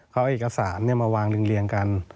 เอาเอกสารมาวางเรียงกัน